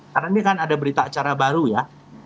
karena ini kan ada berita acara baru ya